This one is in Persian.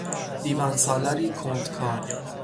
دیوان سالاری کندکار